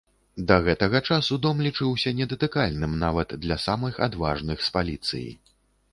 Да гэтага часу дом лічыўся недатыкальным нават для самых адважных з паліцыі.